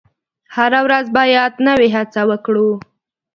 هره ورځ باید نوې هڅه وکړو.